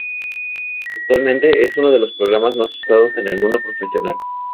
Actualmente es uno de los programas más usados en el mundo profesional.